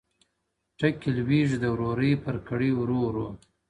ټکي لوېږي د ورورۍ پر کړۍ ورو ورو،